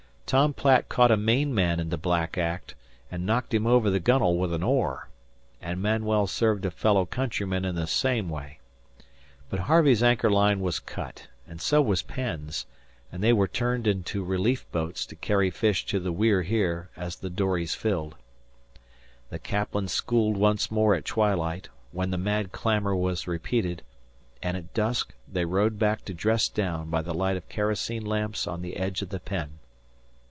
Tom Platt caught a Maine man in the black act and knocked him over the gunwale with an oar, and Manuel served a fellow countryman in the same way. But Harvey's anchor line was cut, and so was Penn's, and they were turned into relief boats to carry fish to the We're Here as the dories filled. The caplin schooled once more at twilight, when the mad clamour was repeated; and at dusk they rowed back to dress down by the light of kerosene lamps on the edge of the pen.